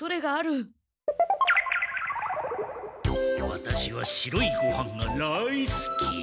ワタシは白いごはんがライスき！